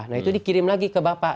nah itu dikirim lagi ke bapak